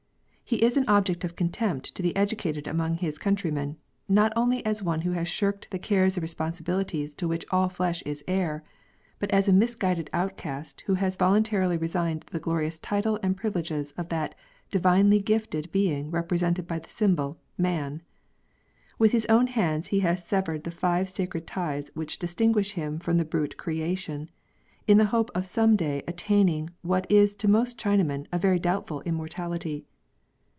He is an object of contempt to the edu cated among his countrymen, not only as one who has shirked the cares and responsibilities to which all flesh is heir, but as a misguided outcast who has volun tarily resigned the glorious title and privileges of that divinely gifted being represented by the symbol m.an. With his own hands he has severed the five sacred ties which distinguish him from the brute creation, in the hope of some day attaining what is to most China men a very doubtful immortality.